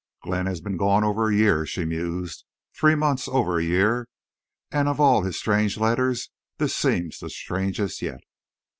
"Glenn has been gone over a year," she mused, "three months over a year—and of all his strange letters this seems the strangest yet."